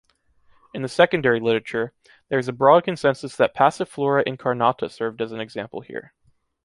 In the secondary literature, there is a broad consensus that "Passiflora incarnata" served as an example here.